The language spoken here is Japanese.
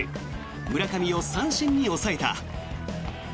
村上を三振に抑えた。